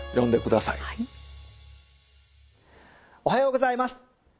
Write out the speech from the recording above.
おはようございます！